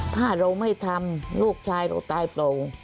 ถ้าเราไม่ทำลูกชายเราตายโปร่ง